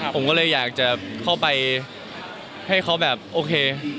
ผมก็เลยอยากจะเข้าไปให้เขาแบบโอเค